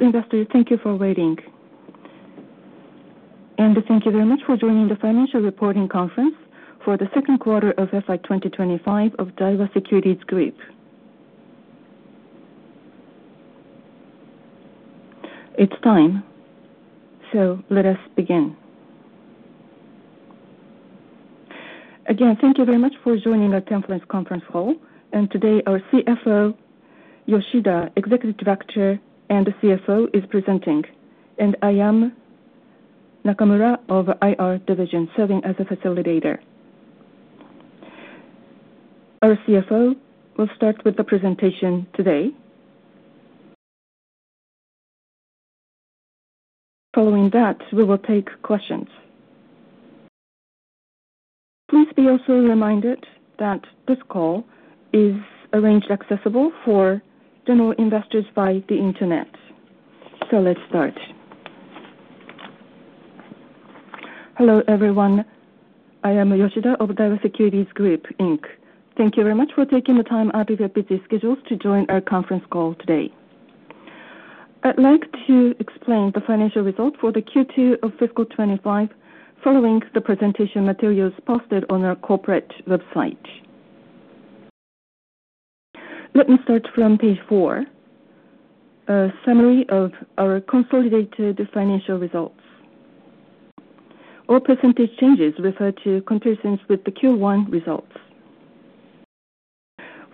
All investors, thank you for waiting. Thank you very much for joining the Financial Reporting Conference for the second quarter of FI 2025 of Daiwa Securities Group. It is time, so let us begin. Thank you very much for joining our conference conference call. Today, our CFO, Yoshida, Executive Director and the CFO, is presenting. I am Nakamura of IR Division, serving as a facilitator. Our CFO will start with the presentation today. Following that, we will take questions. Please be also reminded that this call is arranged accessible for general investors via the internet. Let us start. Hello, everyone. I am Yoshida of Daiwa Securities Group Inc. Thank you very much for taking the time out of your busy schedules to join our conference call today. I would like to explain the financial result for the Q2 of Fiscal 2025 following the presentation materials posted on our corporate website. Let me start from page four. A summary of our consolidated financial results. All percentage changes refer to comparisons with the Q1 results.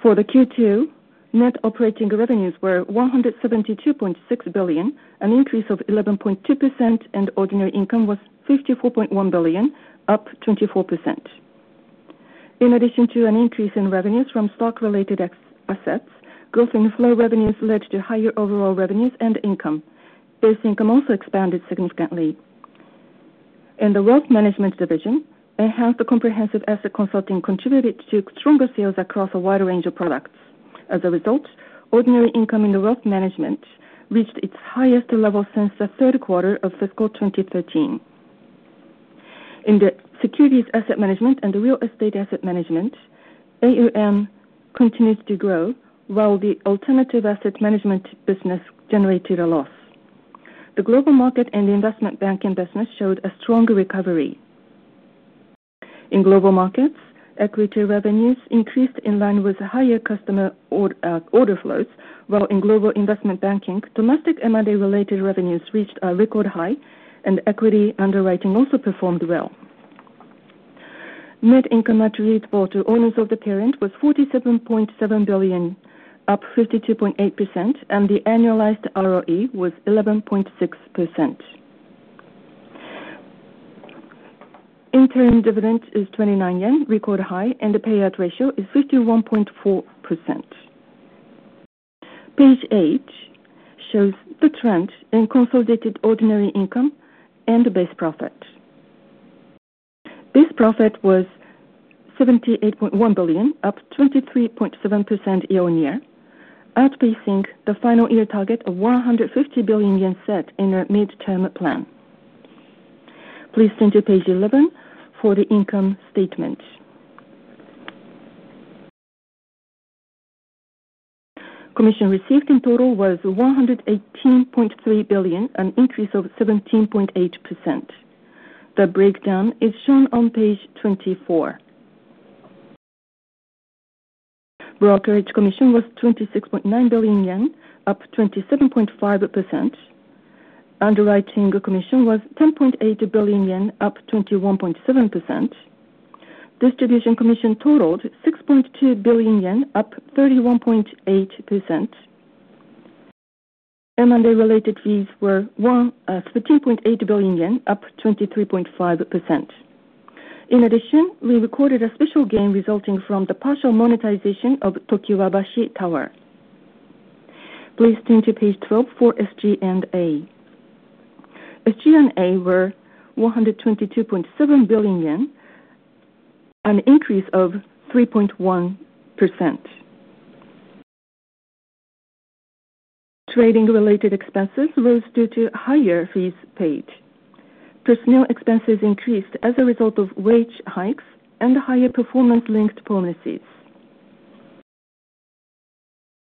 For the Q2, net operating revenues were 172.6 billion, an increase of 11.2%, and ordinary income was 54.1 billion, up 24%. In addition to an increase in revenues from stock-related assets, growth in floor revenues led to higher overall revenues and income. Base income also expanded significantly. In the Wealth Management Division, enhanced comprehensive asset consulting contributed to stronger sales across a wide range of products. As a result, ordinary income in the Wealth Management reached its highest level since the third quarter of Fiscal 2013. In the Securities Asset Management and the Real Estate Asset Management, AUM continued to grow, while the Alternative Asset Management business generated a loss. The global market and the investment banking business showed a strong recovery. In global markets, equity revenues increased in line with higher customer order flows, while in global investment banking, domestic M&A-related revenues reached a record high, and equity underwriting also performed well. Net income attributable to owners of the parent was 47.7 billion, up 52.8%, and the annualized ROE was 11.6%. Interim dividend is 29 yen, record high, and the payout ratio is 51.4%. Page 8 shows the trend in consolidated ordinary income and base profit. Base profit was 78.1 billion, up 23.7% year on year, outpacing the final year target of 150 billion yen set in a midterm plan. Please turn to page 11 for the income statement. Commission received in total was 118.3 billion, an increase of 17.8%. The breakdown is shown on page 24. Brokerage commission was 26.9 billion yen, up 27.5%. Underwriting commission was 10.8 billion yen, up 21.7%. Distribution commission totaled 6.2 billion yen, up 31.8%. M&A-related fees were 13.8 billion yen, up 23.5%. In addition, we recorded a special gain resulting from the partial monetization of Tokiwabashi Tower. Please turn to page 12 for SG&A. SG&A were 122.7 billion yen, an increase of 3.1%. Trading-related expenses rose due to higher fees paid. Personnel expenses increased as a result of wage hikes and higher performance-linked policies.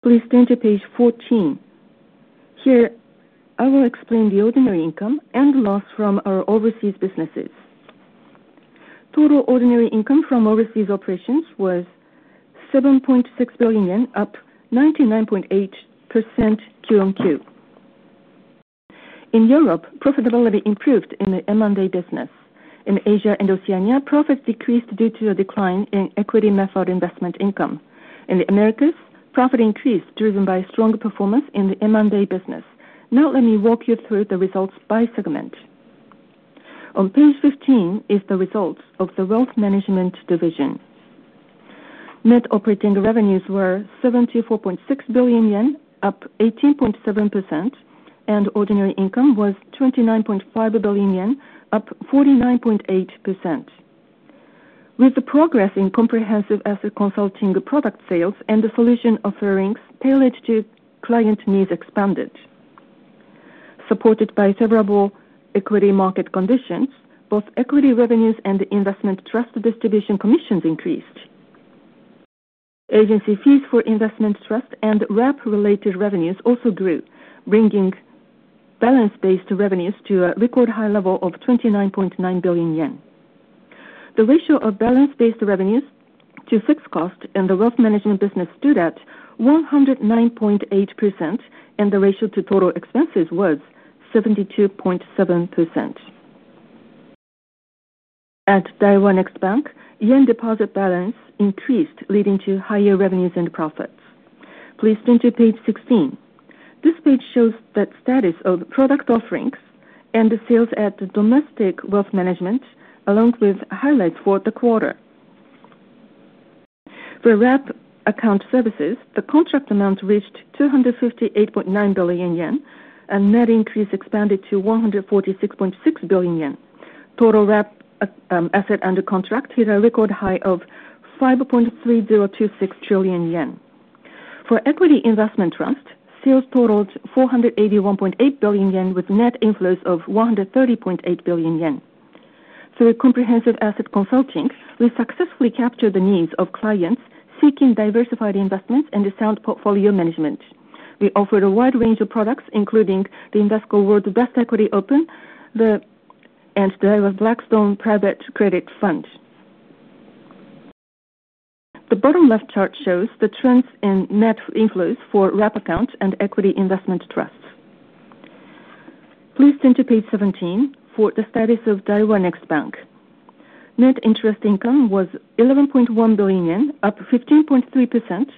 Please turn to page 14. Here, I will explain the ordinary income and loss from our overseas businesses. Total ordinary income from overseas operations was 7.6 billion yen, up 99.8% Q on Q. In Europe, profitability improved in the M&A business. In Asia and Oceania, profits decreased due to a decline in equity method investment income. In the Americas, profit increased driven by strong performance in the M&A business. Now, let me walk you through the results by segment. On page 15 is the results of the Wealth Management Division. Net operating revenues were 74.6 billion yen, up 18.7%, and ordinary income was 29.5 billion yen, up 49.8%. With the progress in comprehensive asset consulting product sales and the solution offerings tailored to client needs expanded. Supported by favorable equity market conditions, both equity revenues and investment trust distribution commissions increased. Agency fees for investment trust and RAP-related revenues also grew, bringing balance-based revenues to a record high level of 29.9 billion yen. The ratio of balance-based revenues to fixed costs in the Wealth Management Business stood at 109.8%, and the ratio to total expenses was 72.7%. At Daiwa Next Bank, yen deposit balance increased, leading to higher revenues and profits. Please turn to page 16. This page shows the status of product offerings and the sales at domestic wealth management, along with highlights for the quarter. For RAP account services, the contract amount reached 258.9 billion yen, and net increase expanded to 146.6 billion yen. Total RAP asset under contract hit a record high of 5.3026 trillion yen. For equity investment trust, sales totaled 481.8 billion yen, with net inflows of 130.8 billion yen. Through comprehensive asset consulting, we successfully captured the needs of clients seeking diversified investments and sound portfolio management. We offered a wide range of products, including the Invesco World Best Equity Open and Daiwa Blackstone Private Credit Fund. The bottom left chart shows the trends in net inflows for RAP account and equity investment trusts. Please turn to page 17 for the status of Daiwa Next Bank. Net interest income was 11.1 billion yen, up 15.3%,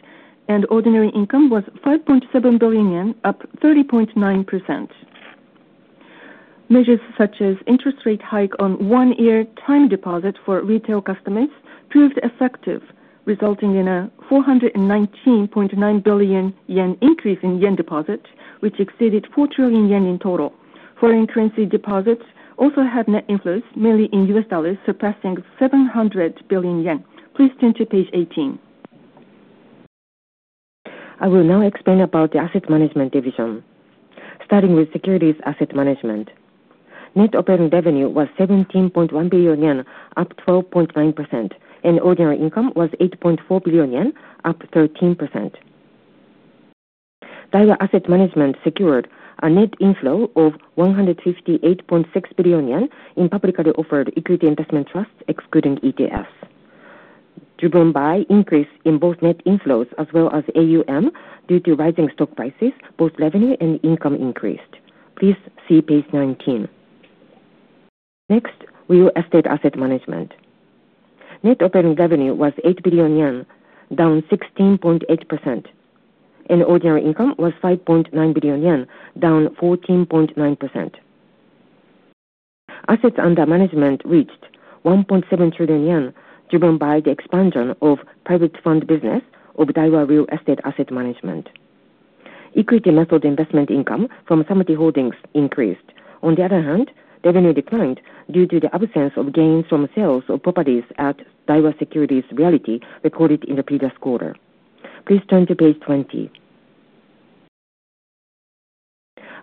and ordinary income was 5.7 billion yen, up 30.9%. Measures such as interest rate hike on one-year time deposit for retail customers proved effective, resulting in a 419.9 billion yen increase in yen deposit, which exceeded 4 trillion yen in total. Foreign currency deposits also had net inflows, mainly in US dollars, surpassing 700 billion yen. Please turn to page 18. I will now explain about the Asset Management Division. Starting with Securities Asset Management. Net operating revenue was 17.1 billion yen, up 12.9%, and ordinary income was 8.4 billion yen, up 13%. Daiwa Asset Management secured a net inflow of 158.6 billion yen in publicly offered equity investment trusts, excluding ETFs. Driven by increase in both net inflows as well as AUM due to rising stock prices, both revenue and income increased. Please see page 19. Next, we will look at Asset Management. Net operating revenue was 8 billion yen, down 16.8%. Ordinary income was 5.9 billion yen, down 14.9%. Assets under management reached 1.7 trillion yen, driven by the expansion of private fund business of Daiwa Real Estate Asset Management. Equity method investment income from some of the holdings increased. On the other hand, revenue declined due to the absence of gains from sales of properties at Daiwa Securities Realty recorded in the previous quarter. Please turn to page 20.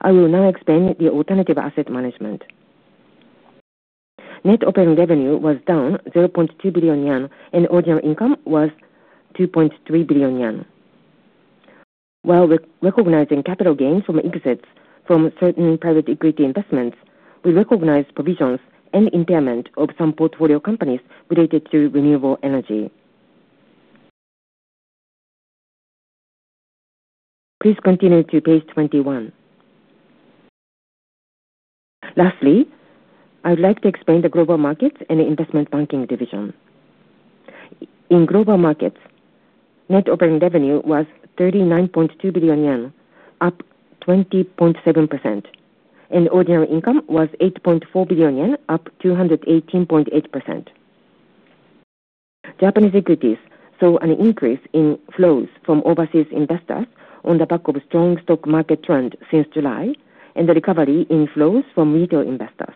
I will now explain the Alternative Asset Management. Net operating revenue was down 0.2 billion yen, and ordinary income was 2.3 billion yen. While recognizing capital gains from exits from certain private equity investments, we recognize provisions and impairment of some portfolio companies related to renewable energy. Please continue to page 21. Lastly, I would like to explain the Global Markets and Investment Banking Division. In Global Markets, net operating revenue was 39.2 billion yen, up 20.7%. Ordinary income was 8.4 billion yen, up 218.8%. Japanese equities saw an increase in flows from overseas investors on the back of a strong stock market trend since July and the recovery in flows from retail investors.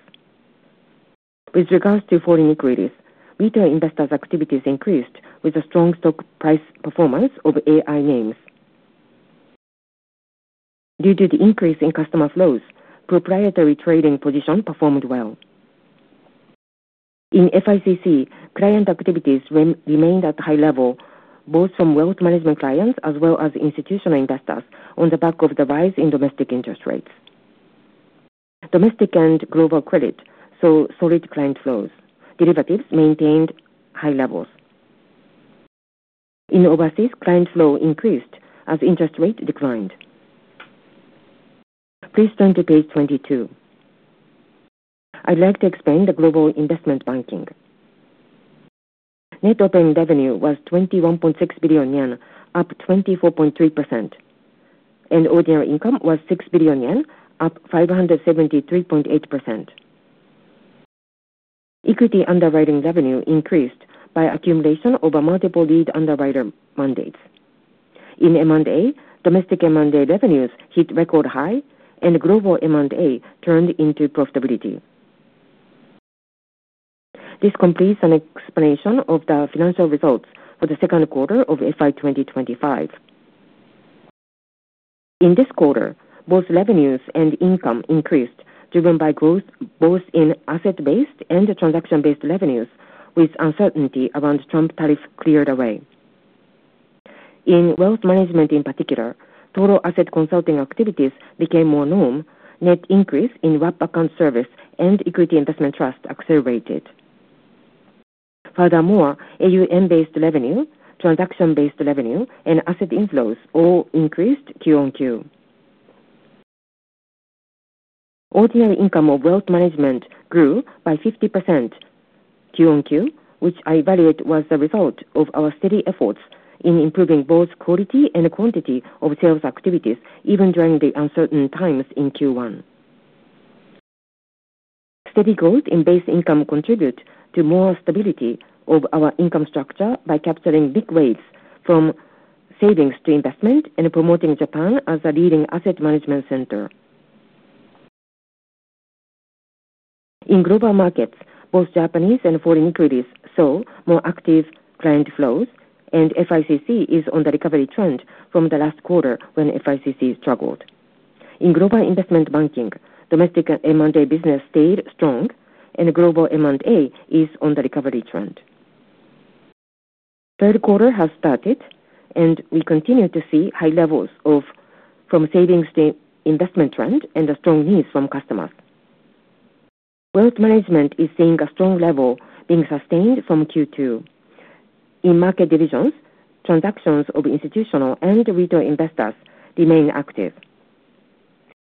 With regards to foreign equities, retail investors' activities increased with a strong stock price performance of AI names. Due to the increase in customer flows, proprietary trading positions performed well. In FICC, client activities remained at a high level, both from wealth management clients as well as institutional investors, on the back of the rise in domestic interest rates. Domestic and global credit saw solid client flows. Derivatives maintained high levels. In overseas, client flow increased as interest rates declined. Please turn to page 22. I'd like to explain the Global Investment Banking. Net operating revenue was 21.6 billion yen, up 24.3%. Ordinary income was 6 billion yen, up 573.8%. Equity underwriting revenue increased by accumulation over multiple lead underwriter mandates. In M&A, domestic M&A revenues hit record high, and global M&A turned into profitability. This completes an explanation of the financial results for the second quarter of FY 2025. In this quarter, both revenues and income increased, driven by growth both in asset-based and transaction-based revenues, with uncertainty around Trump tariffs cleared away. In wealth management in particular, total asset consulting activities became more known, net increase in RAP account service and equity investment trust accelerated. Furthermore, AUM-based revenue, transaction-based revenue, and asset inflows all increased quarter on quarter. Ordinary income of wealth management grew by 50% quarter on quarter, which I evaluate was the result of our steady efforts in improving both quality and quantity of sales activities, even during the uncertain times in the first quarter. Steady growth in base income contributed to more stability of our income structure by capturing big waves from savings to investment and promoting Japan as a leading asset management center. In global markets, both Japanese and foreign equities saw more active client flows, and FICC is on the recovery trend from the last quarter when FICC struggled. In global investment banking, domestic M&A business stayed strong, and global M&A is on the recovery trend. Third quarter has started, and we continue to see high levels from savings to investment trend and strong needs from customers. Wealth management is seeing a strong level being sustained from Q2. In market divisions, transactions of institutional and retail investors remain active.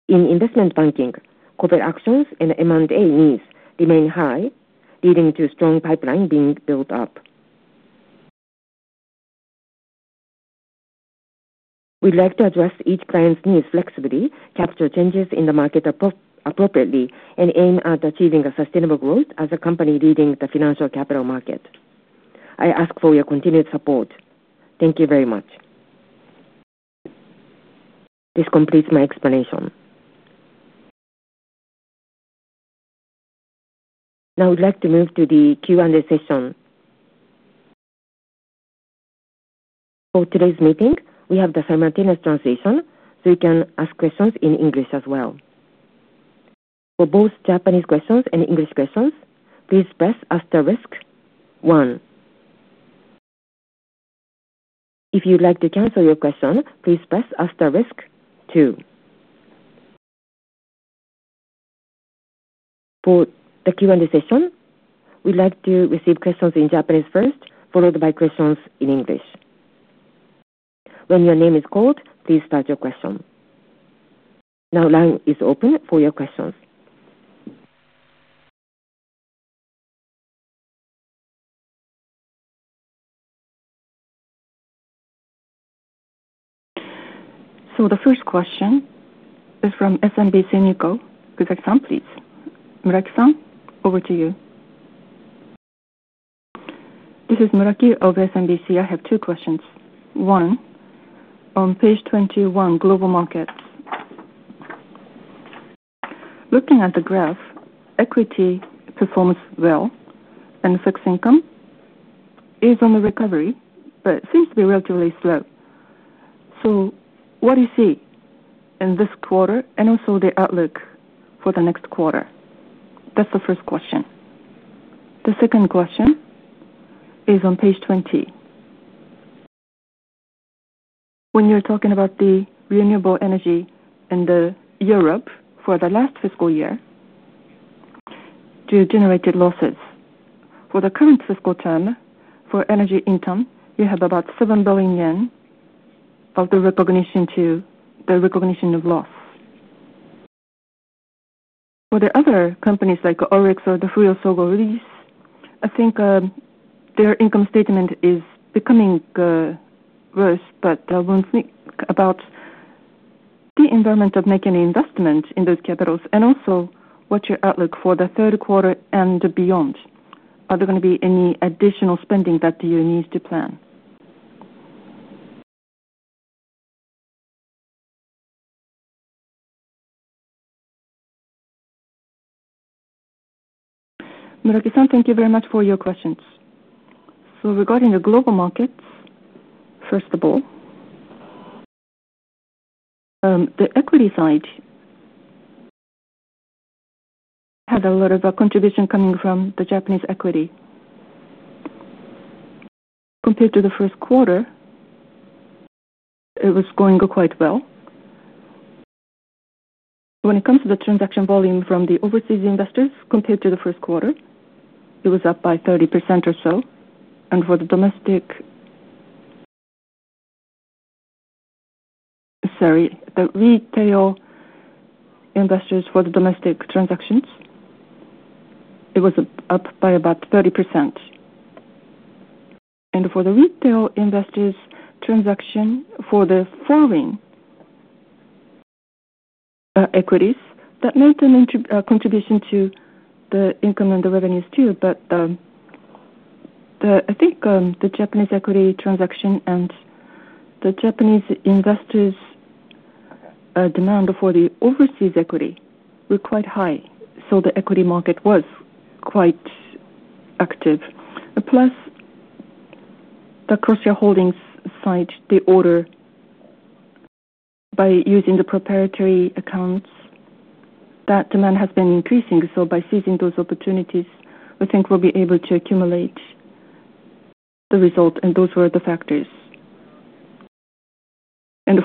In investment banking, corporate actions and M&A needs remain high, leading to strong pipeline being built up. We would like to address each client's needs flexibly, capture changes in the market appropriately, and aim at achieving a sustainable growth as a company leading the financial capital market. I ask for your continued support. Thank you very much. This completes my explanation. Now, I would like to move to the Q&A session. For today's meeting, we have the simultaneous transition, so you can ask questions in English as well. For both Japanese questions and English questions, please press asterisk one. If you would like to cancel your question, please press asterisk two. For the Q&A session, we would like to receive questions in Japanese first, followed by questions in English. When your name is called, please start your question. Now, line is open for your questions. The first question is from SMBC Nikko. Muraki-san, please. Muraki-san, over to you. This is Muraki of SMBC. I have two questions. One. On page 21, Global Markets. Looking at the graph, equity performs well, and fixed income is on the recovery, but seems to be relatively slow. What do you see in this quarter and also the outlook for the next quarter? That is the first question. The second question is on page 20. When you are talking about the renewable energy in Europe for the last fiscal year, it generated losses. For the current fiscal term, for energy income, you have about 7 billion yen of the recognition to the recognition of loss. For the other companies like ORIX or the Fuyo Sogo Lease, I think their income statement is becoming worse, but I want to speak about the environment of making an investment in those capitals and also what is your outlook for the third quarter and beyond. Are there going to be any additional spending that you need to plan? Muraki-san, thank you very much for your questions. Regarding the global markets, first of all, the equity side had a lot of contribution coming from the Japanese equity. Compared to the first quarter, it was going quite well. When it comes to the transaction volume from the overseas investors compared to the first quarter, it was up by 30% or so. For the domestic, sorry, the retail investors for the domestic transactions, it was up by about 30%. For the retail investors' transaction for the foreign. Equities, that made a contribution to the income and the revenues too, but I think the Japanese equity transaction and the Japanese investors' demand for the overseas equity were quite high, so the equity market was quite active. Plus, the Crosshair Holdings side did order by using the proprietary accounts. That demand has been increasing, so by seizing those opportunities, I think we'll be able to accumulate the result, and those were the factors.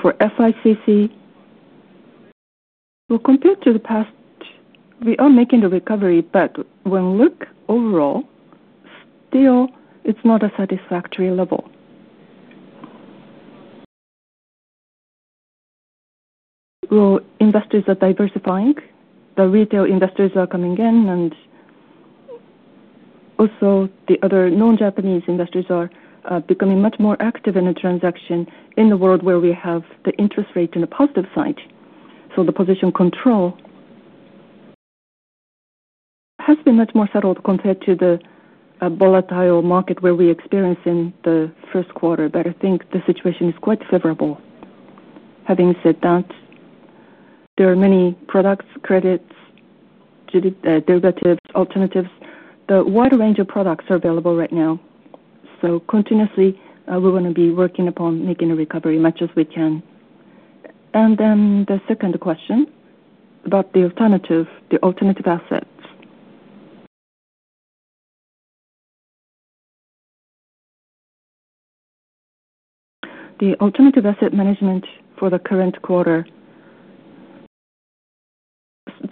For FICC, compared to the past, we are making a recovery, but when we look overall, still, it's not a satisfactory level. Investors are diversifying. The retail investors are coming in, and also the other non-Japanese investors are becoming much more active in the transaction in the world where we have the interest rate on the positive side. The position control has been much more settled compared to the volatile market we experienced in the first quarter, but I think the situation is quite favorable. Having said that, there are many products, credits, derivatives, alternatives. The wide range of products are available right now. Continuously, we want to be working upon making a recovery as much as we can. Then the second question about the alternative, the alternative assets. The alternative asset management for the current quarter,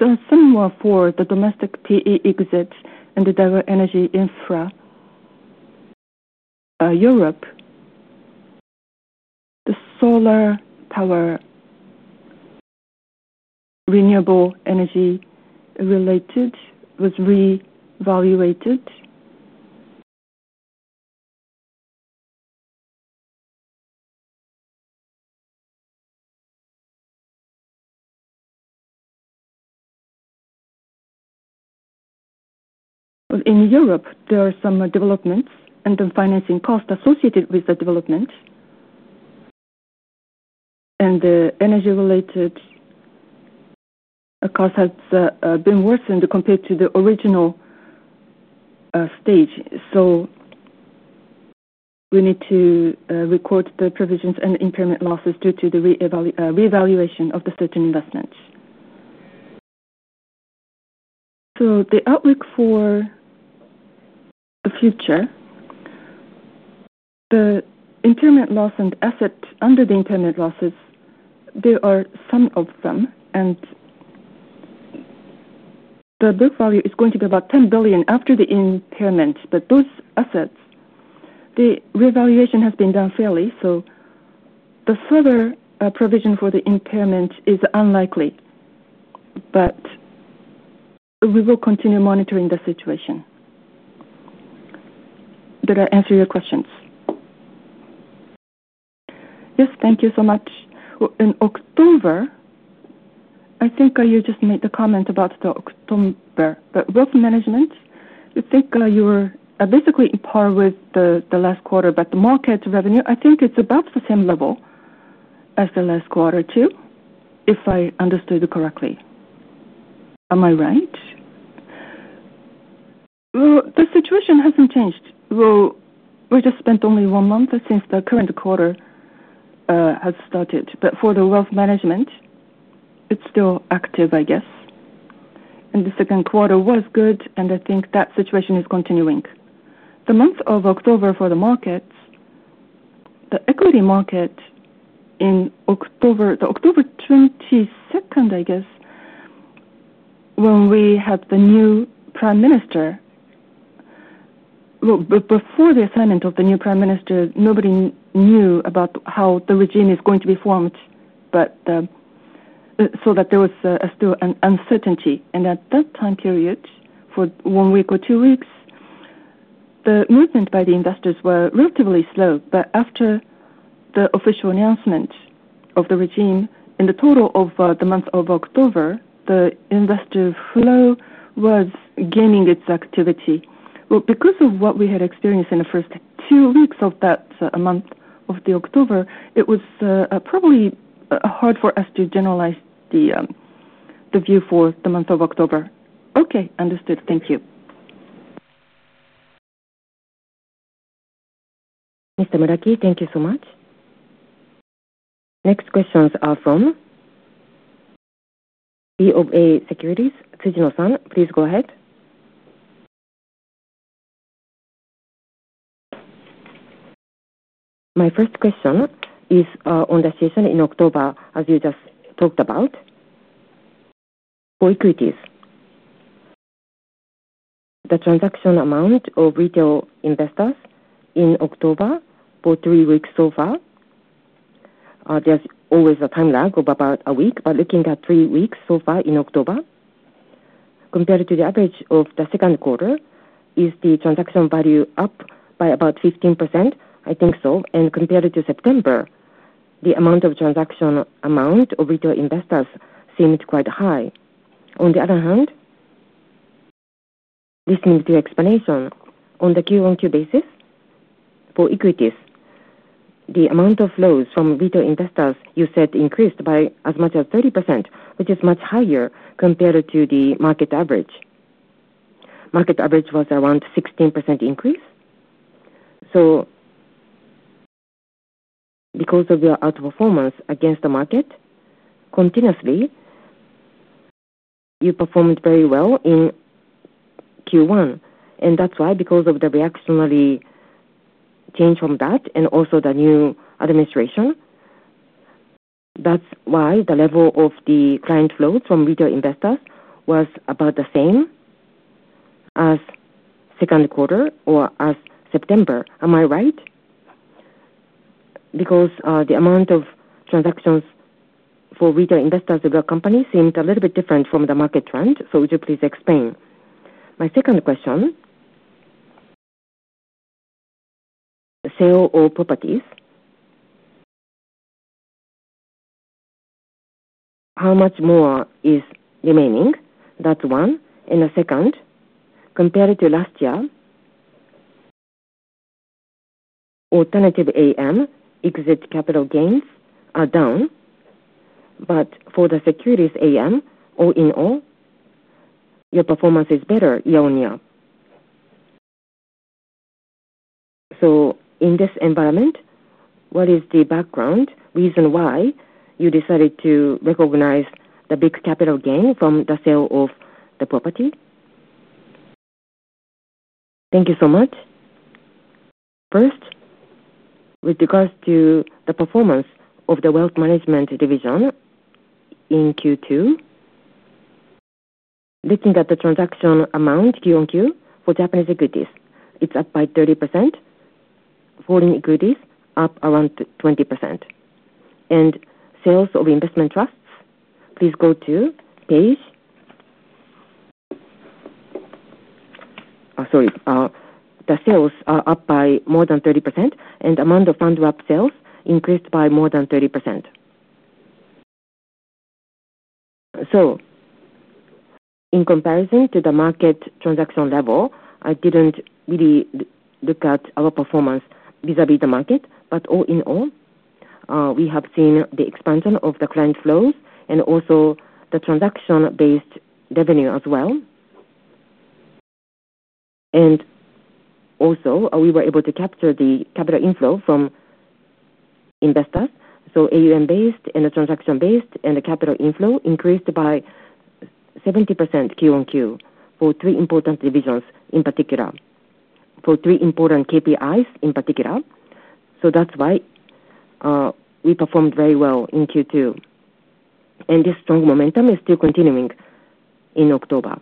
the same one for the domestic PE exit and the Daiwa Energy Infra. Europe, the solar power, renewable energy related was reevaluated. In Europe, there are some developments and the financing cost associated with the development, and the energy-related cost has been worsened compared to the original stage. We need to record the provisions and impairment losses due to the reevaluation of the certain investments. The outlook for the future, the impairment loss and asset under the impairment losses, there are some of them, and the book value is going to be about 10 billion after the impairment, but those assets, the reevaluation has been done fairly, so the further provision for the impairment is unlikely, but we will continue monitoring the situation. Did I answer your questions? Yes, thank you so much. In October, I think you just made the comment about the October, but wealth management, I think you were basically in par with the last quarter, but the market revenue, I think it's about the same level as the last quarter too, if I understood correctly. Am I right? The situation hasn't changed. We just spent only one month since the current quarter has started, but for the wealth management, it's still active, I guess. The second quarter was good, and I think that situation is continuing. The month of October for the markets, the equity market. In October, the October 22nd, I guess, when we had the new prime minister. Before the assignment of the new prime minister, nobody knew about how the regime is going to be formed, so there was still an uncertainty. At that time period, for one week or two weeks, the movement by the investors was relatively slow, but after the official announcement of the regime in the total of the month of October, the investor flow was gaining its activity. Because of what we had experienced in the first two weeks of that month of October, it was probably hard for us to generalize the view for the month of October. Okay, understood. Thank you. Muraki, thank you so much. Next questions are from BofA Securities. Tsujino-san, please go ahead. My first question is on the season in October, as you just talked about. For equities, the transaction amount of retail investors in October for three weeks so far. There is always a time lag of about a week, but looking at three weeks so far in October, compared to the average of the second quarter, is the transaction value up by about 15%? I think so. And compared to September, the amount of transaction amount of retail investors seemed quite high. On the other hand, listening to your explanation, on the Q1Q basis, for equities, the amount of flows from retail investors, you said, increased by as much as 30%, which is much higher compared to the market average. Market average was around 16% increase. Because of your outperformance against the market, continuously, you performed very well in Q1. That is why, because of the reactionary change from that and also the new administration, the level of the client flows from retail investors was about the same as second quarter or as September. Am I right? Because the amount of transactions for retail investors of your company seemed a little bit different from the market trend, would you please explain? My second question, sale of properties. How much more is remaining? That is one. And the second, compared to last year, alternative AM exit capital gains are down. But for the securities AM, all in all, your performance is better year on year. In this environment, what is the background reason why you decided to recognize the big capital gain from the sale of the property? Thank you so much. First, with regards to the performance of the wealth management division in Q2, looking at the transaction amount, Q on Q for Japanese equities, it is up by 30%. Foreign equities up around 20%. And sales of investment trusts, please go to page. Sorry. The sales are up by more than 30%, and the amount of fund-rupt sales increased by more than 30%. In comparison to the market transaction level, I did not really look at our performance vis-à-vis the market, but all in all, we have seen the expansion of the client flows and also the transaction-based revenue as well. Also, we were able to capture the capital inflow from investors. So AUM-based and the transaction-based and the capital inflow increased by 70% Q1Q for three important divisions in particular. For three important KPIs in particular. That is why we performed very well in Q2. This strong momentum is still continuing in October.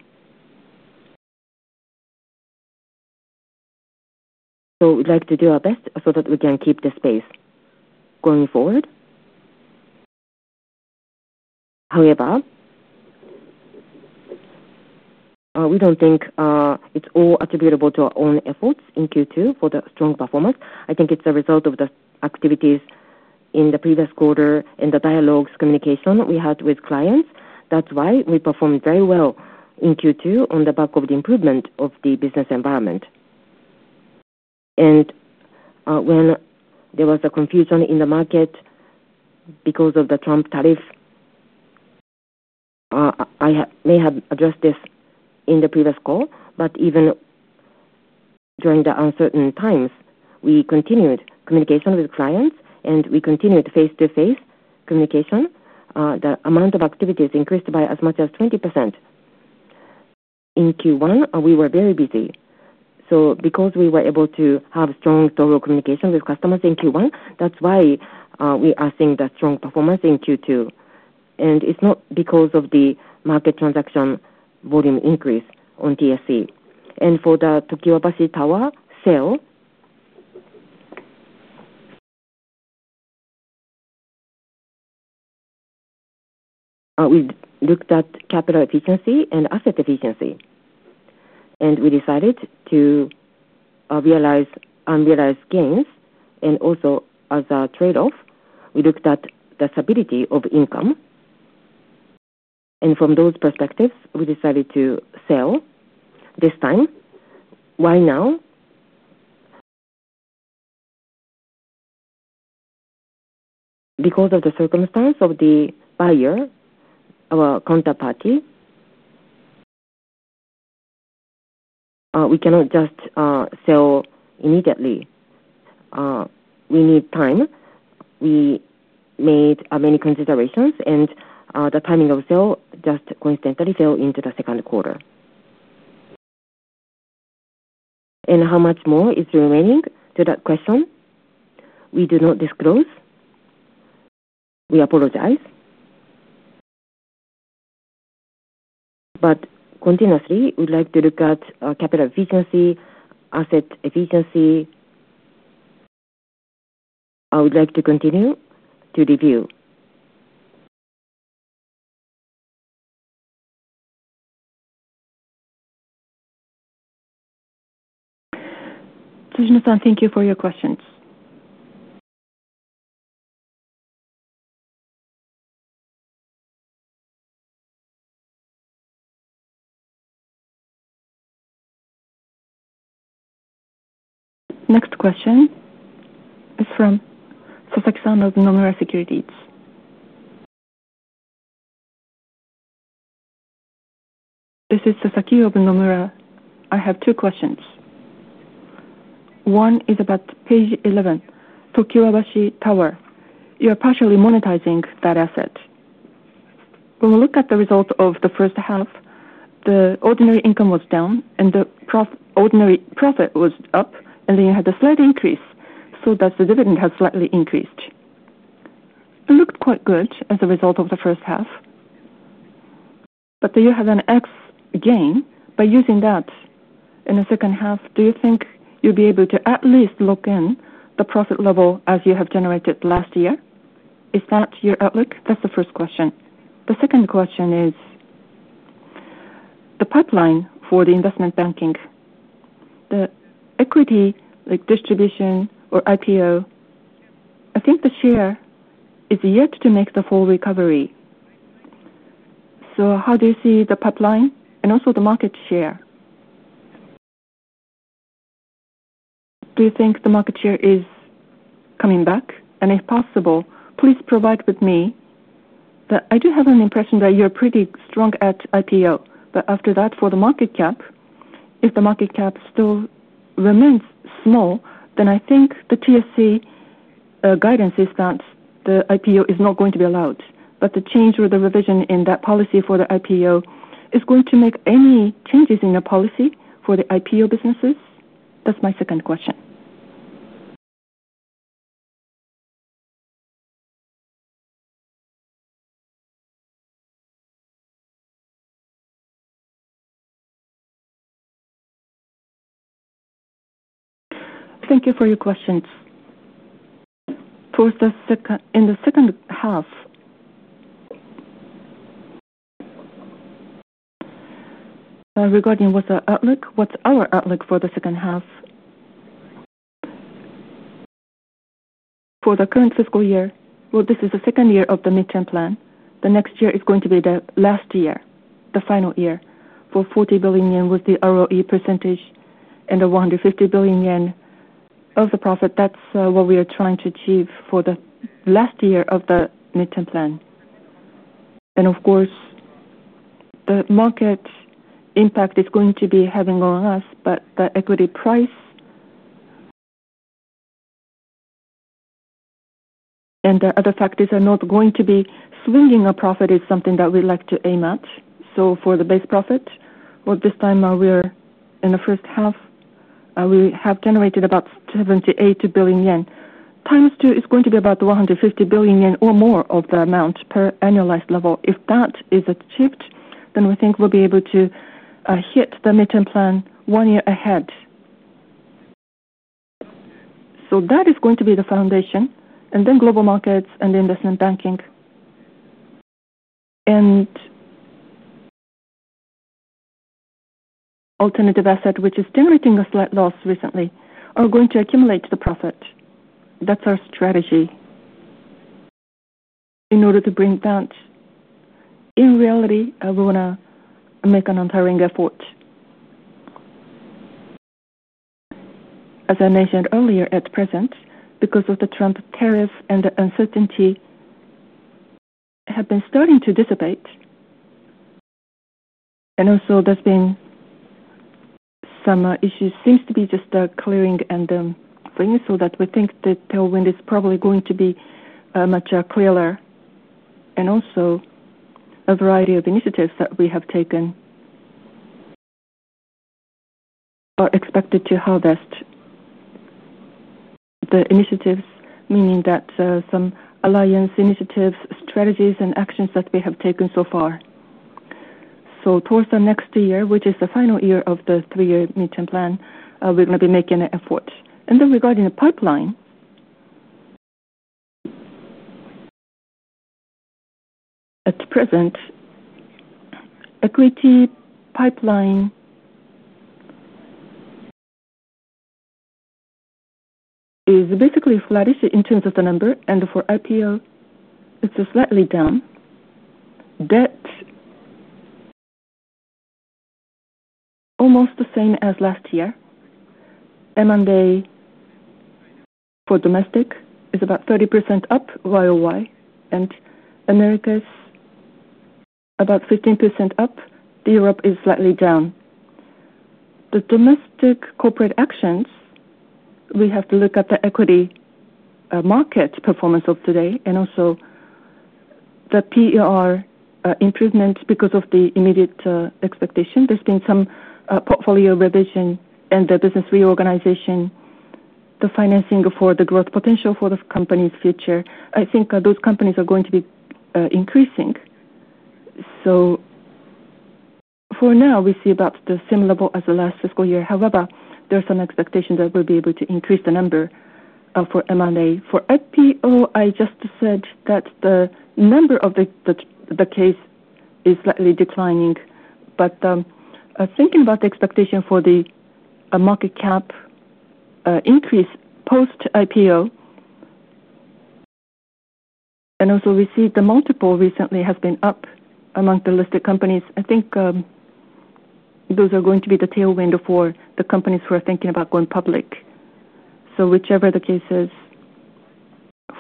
We would like to do our best so that we can keep the pace going forward. However, we do not think it is all attributable to our own efforts in Q2 for the strong performance. I think it is a result of the activities in the previous quarter and the dialogues, communication we had with clients. That is why we performed very well in Q2 on the back of the improvement of the business environment. When there was a confusion in the market because of the Trump tariff, I may have addressed this in the previous call, but even during the uncertain times, we continued communication with clients, and we continued face-to-face communication. The amount of activities increased by as much as 20%. In Q1, we were very busy. Because we were able to have strong total communication with customers in Q1, that is why we are seeing that strong performance in Q2. It is not because of the market transaction volume increase on TSC. For the Tokiwabashi Tower sale, we looked at capital efficiency and asset efficiency. We decided to realize unrealized gains. Also, as a trade-off, we looked at the stability of income. From those perspectives, we decided to sell this time. Why now? Because of the circumstance of the buyer, our counterparty. We cannot just sell immediately. We need time. We made many considerations, and the timing of sale just coincidentally fell into the second quarter. How much more is remaining to that question? We do not disclose. We apologize. Continuously, we would like to look at capital efficiency, asset efficiency. I would like to continue to review. Tsujino-san, thank you for your questions. Next question is from Sasaki-san of Nomura Securities. This is Sasaki of Nomura. I have two questions. One is about page 11, Tokiwabashi Tower. You are partially monetizing that asset. When we look at the result of the first half, the ordinary income was down, and the ordinary profit was up, and then you had a slight increase. That is, the dividend has slightly increased. It looked quite good as a result of the first half. Do you have an X gain by using that in the second half? Do you think you will be able to at least lock in the profit level as you have generated last year? Is that your outlook? That is the first question. The second question is the pipeline for the investment banking. The equity distribution or IPO. I think the share is yet to make the full recovery. How do you see the pipeline and also the market share? Do you think the market share is coming back? If possible, please provide with me. I do have an impression that you are pretty strong at IPO. After that, for the market cap, if the market cap still. Remains small, then I think the TSC guidance is that the IPO is not going to be allowed. The change or the revision in that policy for the IPO is going to make any changes in the policy for the IPO businesses? That's my second question. Thank you for your questions. In the second half, regarding what's our outlook for the second half, for the current fiscal year, this is the second year of the midterm plan. The next year is going to be the last year, the final year. For 40 billion yen with the ROE percentage and the 150 billion yen of the profit, that's what we are trying to achieve for the last year of the midterm plan. Of course, the market impact is going to be having on us, but the equity price and the other factors are not going to be swinging. A profit is something that we'd like to aim at. For the base profit, this time we're in the first half. We have generated about 78 billion yen. Times two is going to be about 150 billion yen or more of the amount per annualized level. If that is achieved, then we think we'll be able to hit the midterm plan one year ahead. That is going to be the foundation. Then global markets and investment banking and alternative asset, which is generating a slight loss recently, are going to accumulate the profit. That's our strategy. In order to bring that in reality, we want to make an untiring effort. As I mentioned earlier, at present, because of the Trump tariff and the uncertainty, have been starting to dissipate. Also, there's been some issues seem to be just clearing and things, so we think the tailwind is probably going to be much clearer. Also, a variety of initiatives that we have taken are expected to harvest. The initiatives, meaning that some alliance initiatives, strategies, and actions that we have taken so far. Towards the next year, which is the final year of the three-year midterm plan, we're going to be making an effort. Regarding the pipeline, at present, equity pipeline is basically flattish in terms of the number, and for IPO, it's slightly down. Debt, almost the same as last year. M&A for domestic is about 30% up, YoY, and Americas about 15% up. Europe is slightly down. The domestic corporate actions, we have to look at the equity market performance of today and also the PER improvement because of the immediate expectation. There's been some portfolio revision and the business reorganization. The financing for the growth potential for the company's future, I think those companies are going to be increasing. For now, we see about the same level as the last fiscal year. However, there's some expectation that we'll be able to increase the number for M&A. For IPO, I just said that the number of. The case is slightly declining. Thinking about the expectation for the market cap increase post-IPO, and also, we see the multiple recently has been up among the listed companies. I think those are going to be the tailwind for the companies who are thinking about going public. Whichever the case is,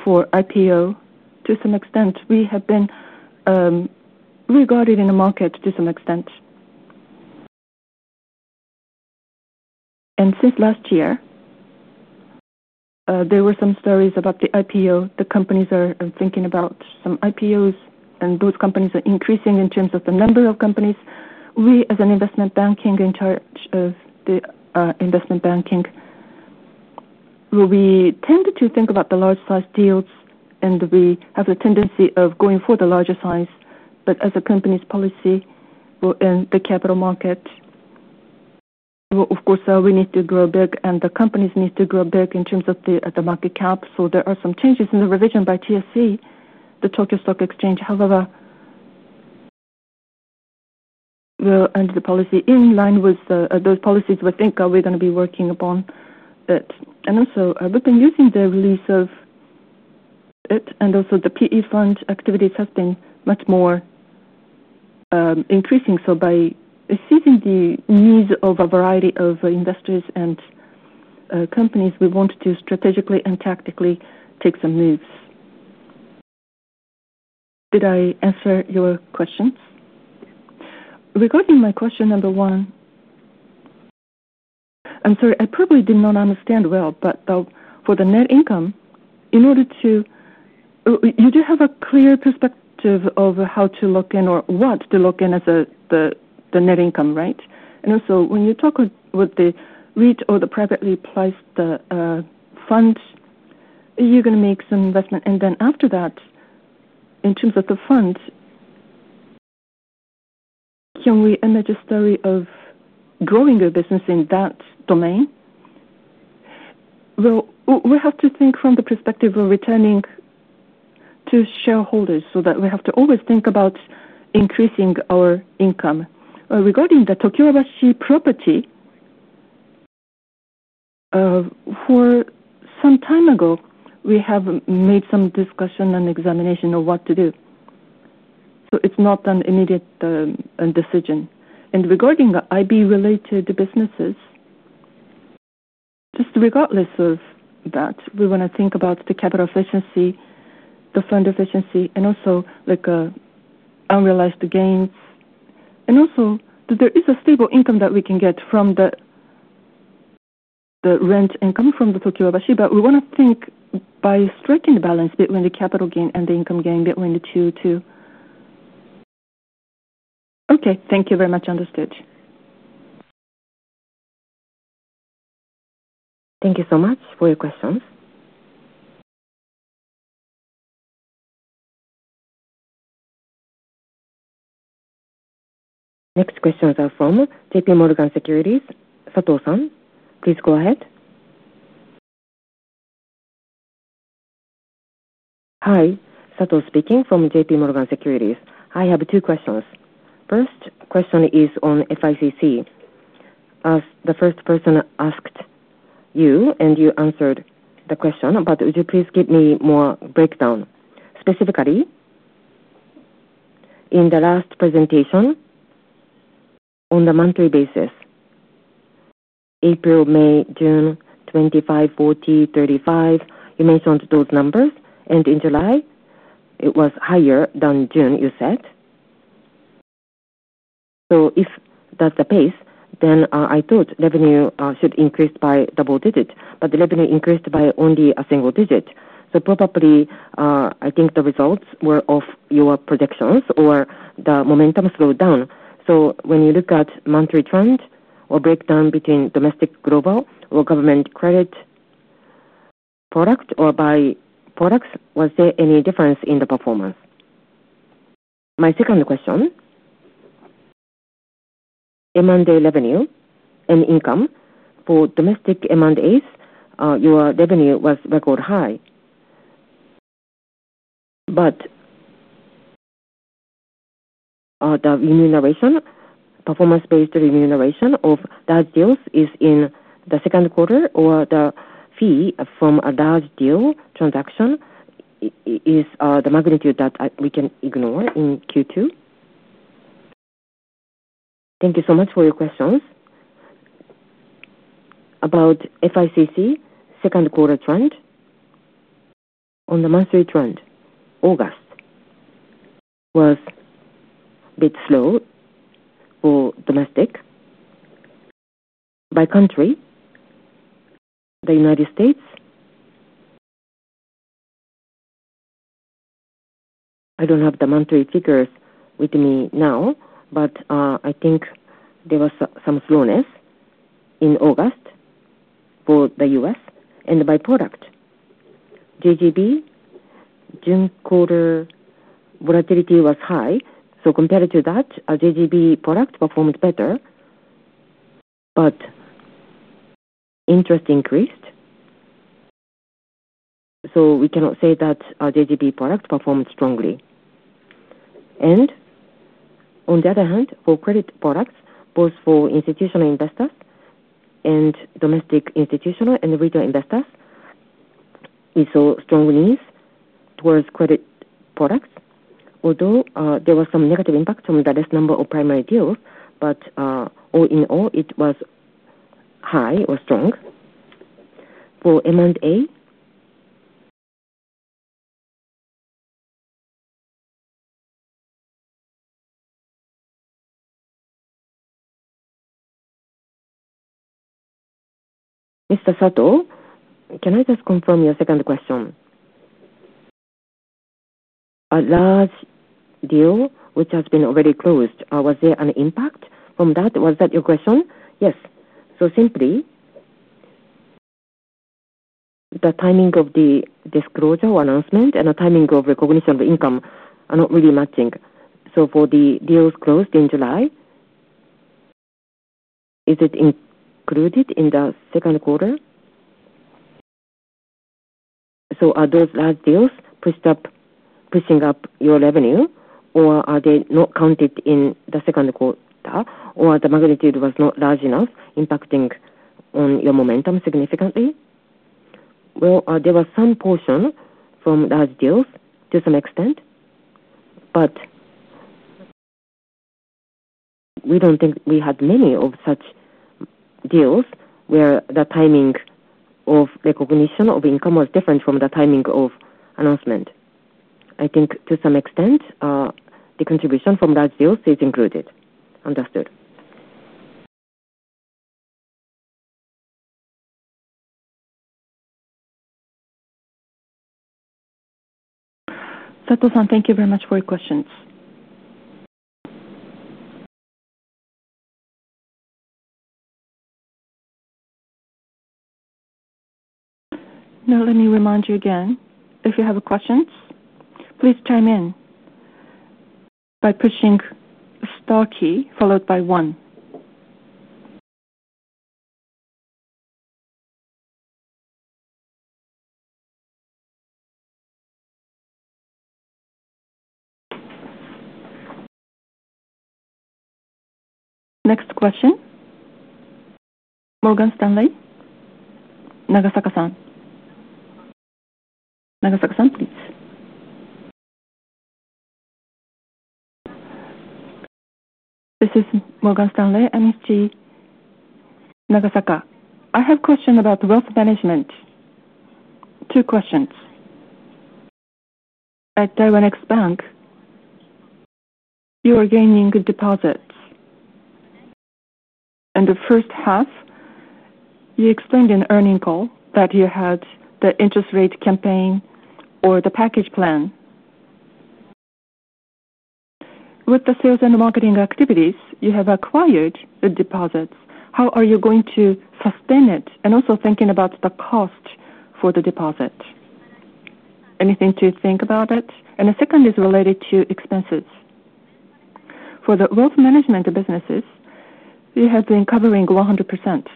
for IPO, to some extent, we have been regarded in the market to some extent. Since last year, there were some stories about the IPO. The companies are thinking about some IPOs, and those companies are increasing in terms of the number of companies. We, as an investment banking, in charge of the investment banking, we tend to think about the large-sized deals, and we have the tendency of going for the larger size. As a company's policy and the capital market, of course, we need to grow big, and the companies need to grow big in terms of the market cap. There are some changes in the revision by TSE, the Tokyo Stock Exchange. However, the policy in line with those policies, we think we're going to be working upon it. Also, we've been using the release of it, and also the PE fund activities have been much more increasing. By seizing the needs of a variety of investors and companies, we want to strategically and tactically take some moves. Did I answer your questions? Regarding my question number one, I'm sorry, I probably did not understand well, but for the net income, in order to, you do have a clear perspective of how to lock in or what to lock in as the net income, right? Also, when you talk with the REIT or the privately placed fund, you're going to make some investment, and then after that, in terms of the fund, can we imagine a story of growing a business in that domain? We have to think from the perspective of returning to shareholders so that we have to always think about increasing our income. Regarding the Tokiwabashi property, for some time ago, we have made some discussion and examination of what to do, so it's not an immediate decision. Regarding the IB-related businesses, just regardless of that, we want to think about the capital efficiency, the fund efficiency, and also unrealized gains. Also, that there is a stable income that we can get from the rent income from the Tokiwabashi, but we want to think by striking the balance between the capital gain and the income gain between the two too. Okay. Thank you very much. Understood. Thank you so much for your questions. Next questions are from JP Morgan Securities. Sato-san, please go ahead. Hi, Sato speaking from JP Morgan Securities. I have two questions. First question is on FICC. As the first person asked you, and you answered the question, but would you please give me more breakdown? Specifically, in the last presentation, on the monthly basis. April, May, June, 25, 40, 35, you mentioned those numbers. In July, it was higher than June, you said. If that's the case, then I thought revenue should increase by double digits, but the revenue increased by only a single digit. Probably, I think the results were off your projections or the momentum slowed down. When you look at monthly trend or breakdown between domestic, global, or government credit, product or by products, was there any difference in the performance? My second question. M&A revenue and income for domestic M&As, your revenue was record high. The remuneration, performance-based remuneration of large deals is in the second quarter, or the fee from a large deal transaction. Is the magnitude that we can ignore in Q2? Thank you so much for your questions. About FICC second quarter trend. On the monthly trend, August was a bit slow for domestic. By country, the United States. I do not have the monthly figures with me now, but I think there was some slowness in August for the U.S. By product, JGB, June quarter, volatility was high. Compared to that, JGB product performed better. Interest increased. We cannot say that JGB product performed strongly. On the other hand, for credit products, both for institutional investors and domestic institutional and retail investors, we saw strong release towards credit products. Although there was some negative impact from the less number of primary deals, all in all, it was high or strong. For M&A. Sato, can I just confirm your second question? A large deal which has been already closed, was there an impact from that? Was that your question? Yes. Simply, the timing of the disclosure or announcement and the timing of recognition of income are not really matching. For the deals closed in July, is it included in the second quarter? Are those large deals pushing up your revenue, or are they not counted in the second quarter, or the magnitude was not large enough, impacting on your momentum significantly? There was some portion from large deals to some extent. We do not think we had many of such deals where the timing of recognition of income was different from the timing of announcement. I think to some extent, the contribution from large deals is included. Understood. Sato-san, thank you very much for your questions. Now, let me remind you again. If you have questions, please chime in by pushing star key followed by one. Next question. Morgan Stanley. Nagasaka-san. Nagasaka-san, please. This is Morgan Stanley, MSG. Nagasaka. I have a question about wealth management. Two questions. At Daiwa Next Bank, you are gaining deposits. In the first half, you explained in earning call that you had the interest rate campaign or the package plan. With the sales and marketing activities, you have acquired the deposits. How are you going to sustain it? Also thinking about the cost for the deposit. Anything to think about it? The second is related to expenses. For the wealth management businesses, you have been covering 100%.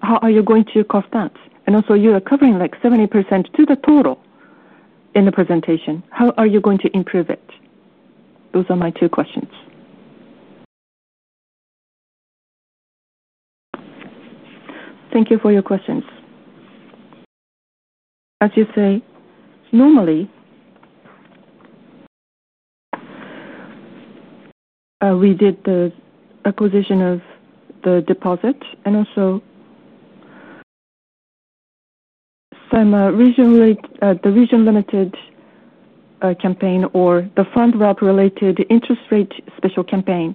How are you going to cost that? You are covering like 70% to the total in the presentation. How are you going to improve it? Those are my two questions. Thank you for your questions. As you say, normally, we did the acquisition of the deposit and also some regional limited campaign or the fund-related interest rate special campaign.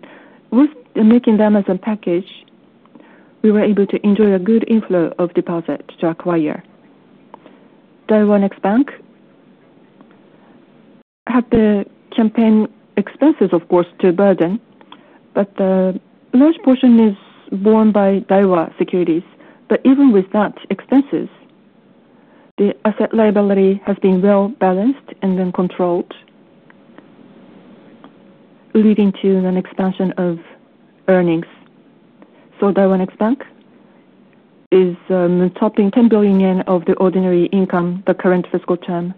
With making them as a package, we were able to enjoy a good inflow of deposits to acquire. Daiwa Next Bank had the campaign expenses, of course, to burden, but the large portion is borne by Daiwa Securities. Even with that, expenses, the asset liability has been well balanced and then controlled, leading to an expansion of earnings. Daiwa Next Bank is topping 10 billion yen of the ordinary income the current fiscal term.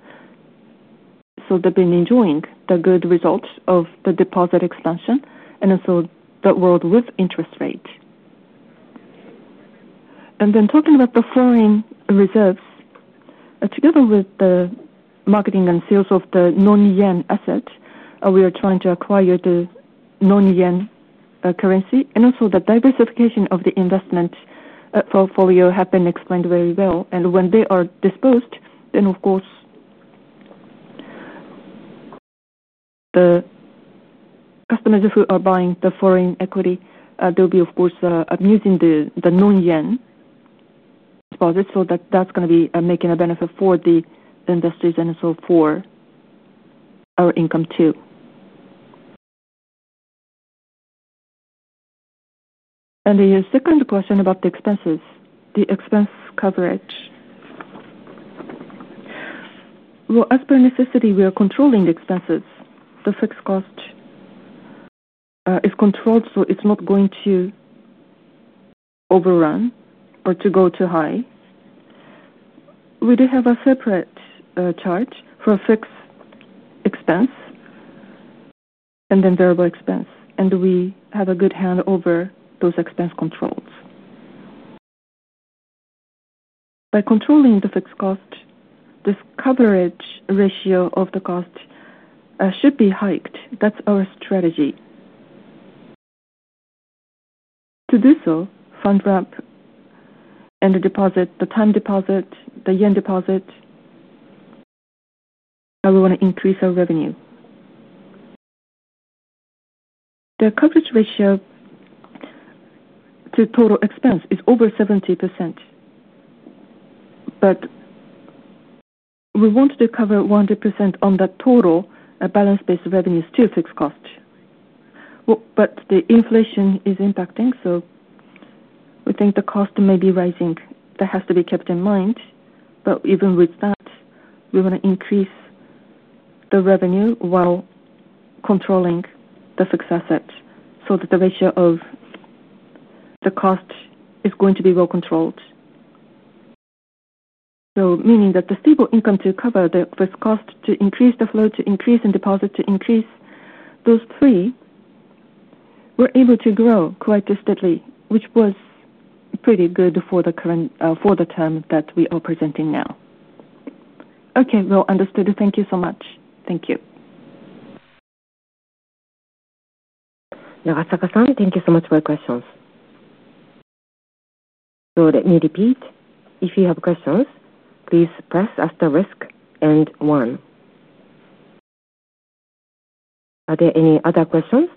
They have been enjoying the good results of the deposit expansion and also the world with interest rate. Talking about the foreign reserves, together with the marketing and sales of the non-yen asset, we are trying to acquire the non-yen currency. The diversification of the investment portfolio has been explained very well. When they are disposed, then, of course, the customers who are buying the foreign equity, they will be, of course, using the non-yen deposits. That is going to be making a benefit for the industries and for our income too. The second question about the expenses, the expense coverage. As per necessity, we are controlling expenses. The fixed cost is controlled, so it is not going to overrun or to go too high. We do have a separate charge for fixed expense and then variable expense, and we have a good hand over those expense controls. By controlling the fixed cost, this coverage ratio of the cost should be hiked. That is our strategy. To do so, fund-rep and the deposit, the time deposit, the yen deposit, we want to increase our revenue. The coverage ratio to total expense is over 70%. We want to cover 100% on the total balance-based revenues to fixed cost. The inflation is impacting, so we think the cost may be rising. That has to be kept in mind. Even with that, we want to increase the revenue while controlling the fixed asset so that the ratio of the cost is going to be well controlled. Meaning that the stable income to cover the fixed cost, to increase the flow, to increase in deposit, to increase those three, we are able to grow quite steadily, which was pretty good for the term that we are presenting now. Understood. Thank you so much. Thank you. Nagasaka-san, thank you so much for your questions. Let me repeat. If you have questions, please press asterisk and one. Are there any other questions?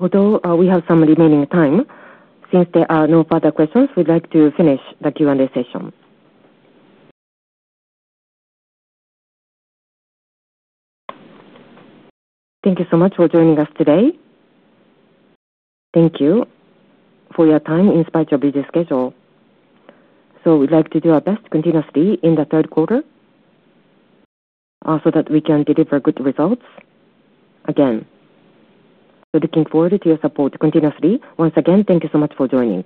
Although we have some remaining time, since there are no further questions, we'd like to finish the Q&A session. Thank you so much for joining us today. Thank you for your time in spite of busy schedule. We'd like to do our best to continue to see in the third quarter, so that we can deliver good results again. Looking forward to your support continuously. Once again, thank you so much for joining.